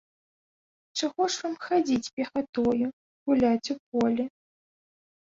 Чаго ж вам хадзіць пехатою, гуляць у полі?